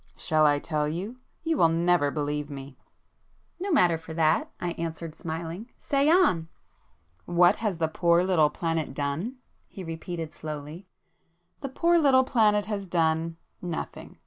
"Shall I tell you? You will never believe me!" "No matter for that!" I answered smiling—"Say on!" "What has the poor little planet done?" he repeated slowly—"The poor little planet has done—nothing.